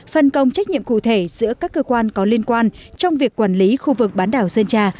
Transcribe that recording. phân công trách nhiệm cụ thể giữa các cơ quan có liên quan trong việc quản lý khu vực bán đảo sơn trà